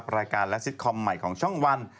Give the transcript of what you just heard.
รายการและซิตคอมใหม่ของช่องวัน